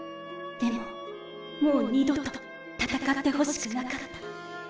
でももう二度と戦ってほしくなかった。